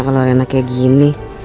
kalau rena kayak gini